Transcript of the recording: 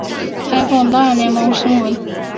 采访大联盟新闻。